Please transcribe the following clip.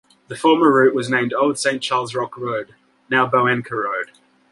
The former route was named Old Saint Charles Rock Road, now Boenker Road.